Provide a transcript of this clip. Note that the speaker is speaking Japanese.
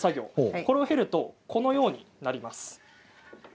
これを経るとこのようになります。